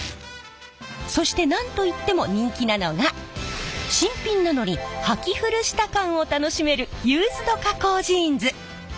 そして何と言っても人気なのが新品なのにはき古した感を楽しめるユーズド加工ジーンズ！